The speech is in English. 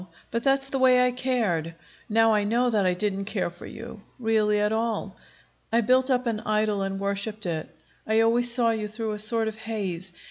But that's the way I cared. Now I know that I didn't care for you, really, at all. I built up an idol and worshiped it. I always saw you through a sort of haze.